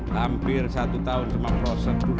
hampir satu tahun semua prosedur